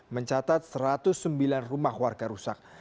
mencatat satu ratus sembilan rumah warga rusak